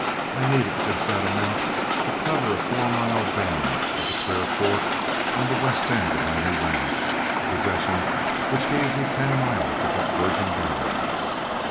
I needed just that amount to cover a four mile bend of the Clear Fork on the west end of my new ranch, a possession which gave me ten miles of that virgin valley.